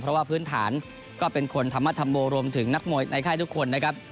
เพราะว่าพื้นฐานก็เป็นคนธรรมธรรโมรวมถึงนักมวยในค่ายทุกคนนะครับ